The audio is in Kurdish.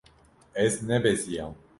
Ez nebeziyam.